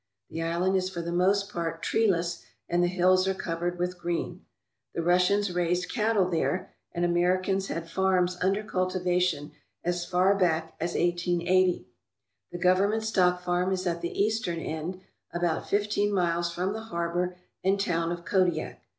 The island is for the most part treeless and the hills are covered with green. The Russians raised cattle there and Ameri cans had farms under cultivation as far back as 1880. The government stock farm is at the eastern end, about fifteen miles from the harbour and town of Kodiak.